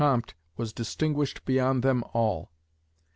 Comte was distinguished beyond them all.